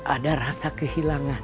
ada rasa kehilangan